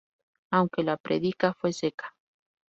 Aunque la predica fue seca.